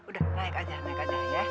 udah naik aja